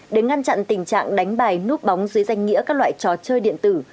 để ngăn chặn tình trạng đánh bài núp bóng dưới danh nghĩa các loại trò chơi điện tử